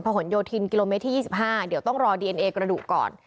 หนโยธินกิโลเมตรที่๒๕เดี๋ยวต้องรอดีเอนเอกระดูกก่อน